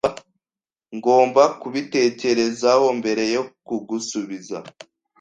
Ngomba kubitekerezaho mbere yo kugusubiza.